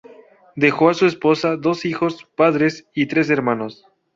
Dejó a su esposa, dos hijas, padres y tres hermanos.